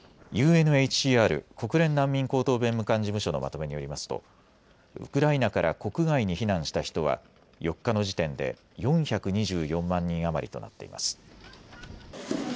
ＵＮＨＣＲ・国連難民高等弁務官事務所のまとめによりますとウクライナから国外に避難した人は４日の時点で４２４万人余りとなっています。